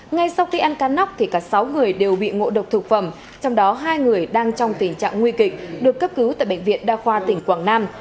ngay sau khi ăn cá nóc thì cả sáu người đều bị ngộ độc thực phẩm trong đó hai người đang trong tình trạng nguy kịch được cấp cứu tại bệnh viện đa khoa tỉnh quảng nam